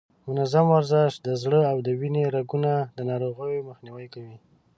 منظم ورزش د زړه او د وینې د رګونو د ناروغیو مخنیوی کوي.